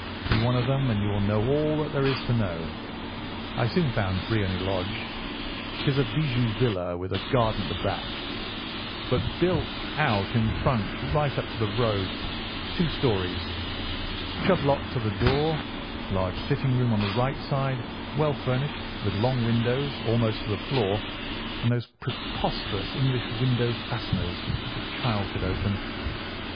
Be one of them, and you will know all that there is to know. I soon found Briony Lodge. It is a bijou villa, with a garden at the back, but built out in front right up to the road, two stories. Chubb lock to the door. Large sitting room on the right side, well furnished, with long windows almost to the floor, and those preposterous English window fasteners which a child could open.